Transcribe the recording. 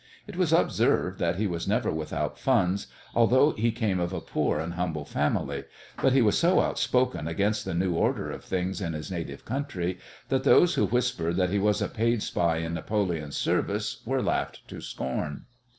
It was observed that he was never without funds, although he came of a poor and humble family, but he was so outspoken against the new order of things in his native country that those who whispered that he was a paid spy in Napoleon's service were laughed to scorn.